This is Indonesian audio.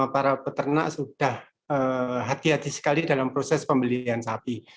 para peternak sudah hati hati sekali dalam proses pembelian sapi